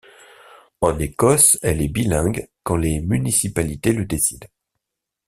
En Écosse, elle est bilingue quand les municipalités le décide.